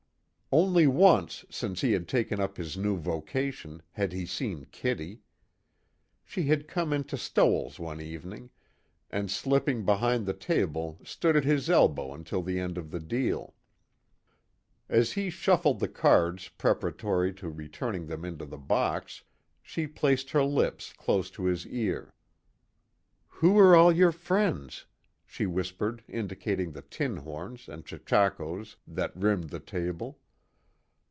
Only once since he had taken up his new vocation had he seen Kitty. She had come into Stoell's one evening, and slipping behind the table stood at his elbow until the end of the deal. As he shuffled the cards preparatory to returning them into the box, she placed her lips close to his ear: "Who are all your friends?" she whispered indicating the tin horns and chechakos that rimmed the table.